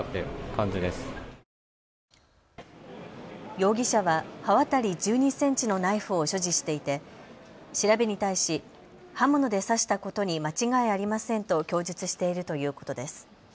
容疑者は刃渡り１２センチのナイフを所持していて調べに対し、刃物で刺したことに間違いありませんと供述しているということです。